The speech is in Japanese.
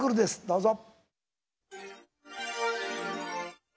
どうぞ。